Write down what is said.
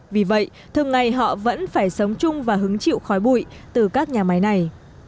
vì vậy thường ngày họ vẫn phải sống chung và hứng chịu khói bụi từ các nhà máy này